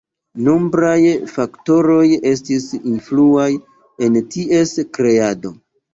Nombraj faktoroj estis influaj en ties kreado.